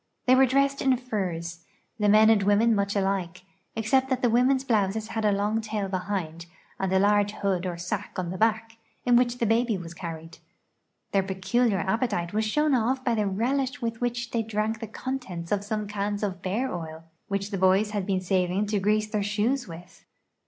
They were dressed in furs, the men and women much alike, ex cept that the women's blouses had a long tail behind and a large hood or sack on the back, in which the baby was carried. Their peculiar appetite was shown by the relish with which they drank the contents of some cans of ))ear oil which the boys had been saving to grease their shoes w'ith.